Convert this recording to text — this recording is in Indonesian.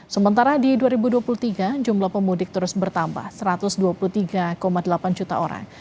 sementara di dua ribu dua puluh tiga jumlah pemudik terus bertambah satu ratus dua puluh tiga delapan juta orang